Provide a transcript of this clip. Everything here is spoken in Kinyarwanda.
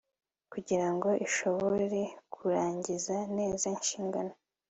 Kugira ngo ishobore kurangiza neza inshingano